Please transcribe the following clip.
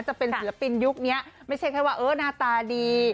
จะเป็นศิลปินยุคนี้ไม่ใช่แค่ว่าเออหน้าตาดี